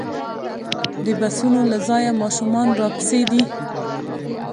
د بسونو له ځایه ماشومان راپسې دي.